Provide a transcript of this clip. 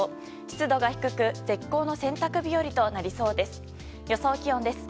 湿度が低く絶好の洗濯日和となりそうです。